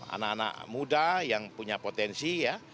anak anak muda yang punya potensi ya